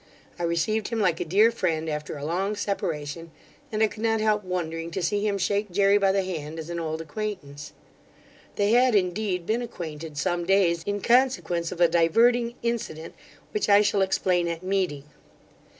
I received him like a dear friend after a long separation; and I could not help wondering to see him shake Jery by the hand as an old acquaintance They had, indeed, been acquainted some days, in consequence of a diverting incident, which I shall explain at meeting.